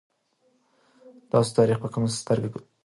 تاسو تاریخ ته په کومه سترګه ګورئ؟